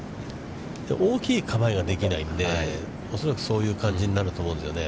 大きい構えができないんで、そういう感じになると思うんですよね。